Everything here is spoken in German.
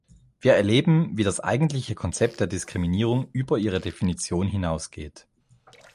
Wir erleben, wie das eigentliche Konzept der Diskriminierung über ihre Definition hinausgeht.